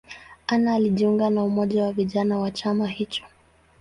Anna alijiunga na umoja wa vijana wa chama hicho.